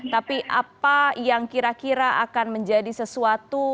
tapi apa yang kira kira akan menjadi sesuatu